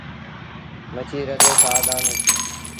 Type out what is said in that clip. مڇيٚ رڌي کآدآنڌون۔